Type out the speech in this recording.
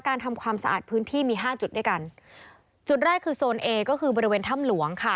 ทำความสะอาดพื้นที่มีห้าจุดด้วยกันจุดแรกคือโซนเอก็คือบริเวณถ้ำหลวงค่ะ